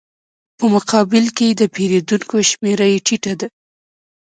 په مقابل کې د پېرودونکو شمېره یې ټیټه ده